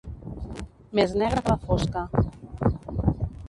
Més negre que la fosca.